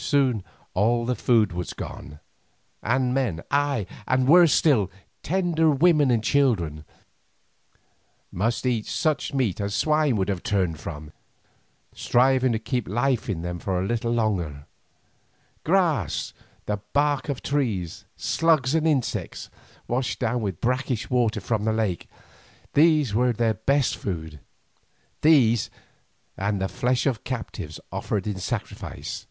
Soon all the food was gone, and men, ay, and worse still, tender women and children, must eat such meat as swine would have turned from, striving to keep life in them for a little longer. Grass, the bark of trees, slugs and insects, washed down with brackish water from the lake, these were their best food, these and the flesh of captives offered in sacrifice.